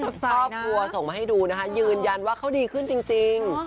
ครอบครัวส่งมาให้ดูนะคะยืนยันว่าเขาดีขึ้นจริง